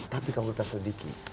tapi kalau kita sedikit